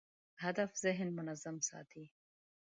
هدف ذهن منظم ساتي.